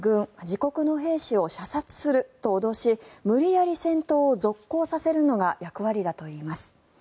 自国の兵士を射殺すると脅し無理やり戦闘を続行させるのが役割だといいます。